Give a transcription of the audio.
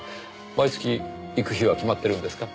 毎月行く日は決まってるんですか？